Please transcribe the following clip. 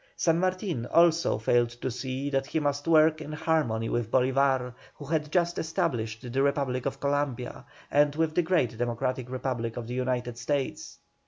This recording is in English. San Martin also failed to see that he must work in harmony with Bolívar, who had just established the Republic of Columbia, and with the great Democratic Republic of the United States.